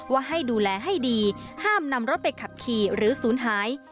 ว่าให้ดูแลให้ดีห้ามนำรถไปขับขี่หรือศูนย์หาย